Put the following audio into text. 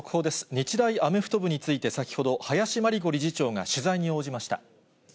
日大アメフト部について、先ほど、林真理子理事長が取材に応じました。